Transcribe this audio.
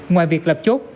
ngoài việc lập chốt